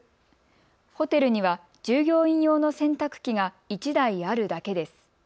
ホテルには従業員用の洗濯機が１台あるだけです。